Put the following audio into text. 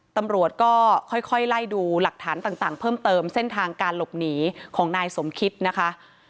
ตำรวจก็ค่อยไล่ดูหลักฐานต่างเพิ่มเติมเส้นทางการหลบหนีของนายสมคิดนะคะ